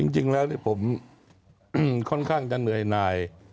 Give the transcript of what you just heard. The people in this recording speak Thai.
จริงแล้วผมค่อนข้างจะเหนื่อยหน่าย